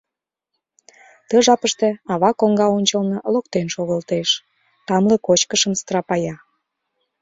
Ты жапыште ава коҥга ончылно локтен шогылтеш — тамле кочкышым страпая.